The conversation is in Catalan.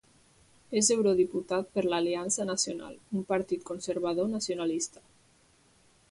És eurodiputat per l'Aliança Nacional, un partit conservador nacionalista.